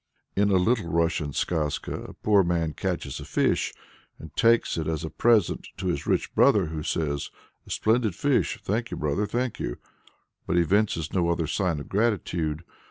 In a Little Russian skazka a poor man catches a fish and takes it as a present to his rich brother, who says, "A splendid fish! thank you, brother, thank you!" but evinces no other sign of gratitude.